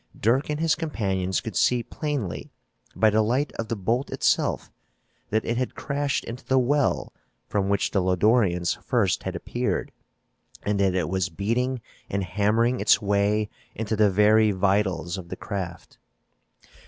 Dirk and his companions could see plainly, by the light of the bolt itself, that it had crashed into the well from which the Lodorians first had appeared, and that it was beating and hammering its way into the very vitals of the craft.